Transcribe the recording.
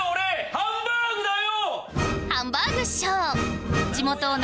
ハンバーグだよ！